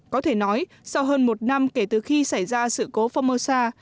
có thể nói sau hơn một năm kể từ khi xảy ra sự cố phongmosa